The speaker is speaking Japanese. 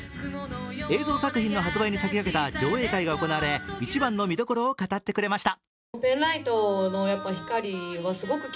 映像作品の発売に先駆けた上映会が行われ、一番の見どころを語ってくれました。